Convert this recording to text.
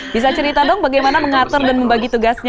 bisa cerita dong bagaimana mengatur dan membagi tugasnya